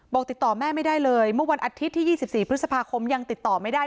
ติดต่อแม่ไม่ได้เลยเมื่อวันอาทิตย์ที่๒๔พฤษภาคมยังติดต่อไม่ได้